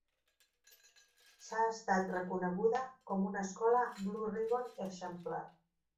S'ha estat reconeguda com una escola Blue Ribbon exemplar.